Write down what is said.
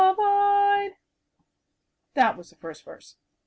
That was the first verse.